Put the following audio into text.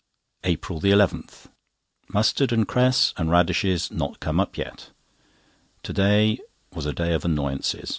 APRIL 11.—Mustard and cress and radishes not come up yet. To day was a day of annoyances.